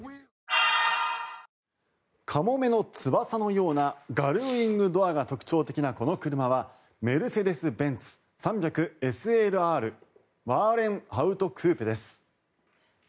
カモメの翼のようなガルウィングドアが特徴的なこの車はメルセデス・ベンツ３００ＳＬＲウーレンハウトクーペです。